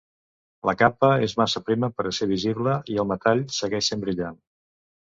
La capa és massa prima per a ser visible, i el metall segueix sent brillant.